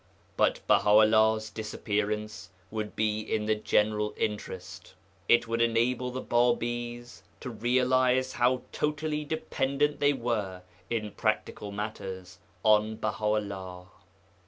But Baha 'ullah's disappearance would be in the general interest; it would enable the Bābīs to realize how totally dependent they were, in practical matters, on Baha 'ullah.